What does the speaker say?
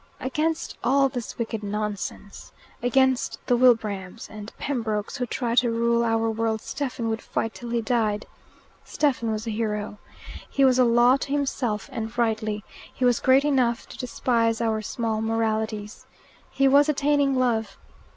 Against all this wicked nonsense, against the Wilbrahams and Pembrokes who try to rule our world Stephen would fight till he died. Stephen was a hero. He was a law to himself, and rightly. He was great enough to despise our small moralities. He was attaining love.